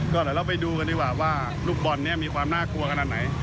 ก็เดี๋ยวเราไปดูกันดีกว่าว่าลูกบอลนี้มีความน่ากลัวขนาดไหน